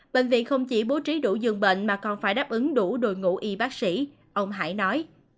bệnh viện không chỉ bố trí đủ dường bệnh mà còn phải đáp ứng đủ đội ngũ y bác sĩ ông hải nói